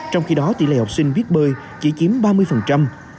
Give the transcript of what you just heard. trong khi đó tỷ lệ học sinh biết bơi chỉ chiếm ba mươi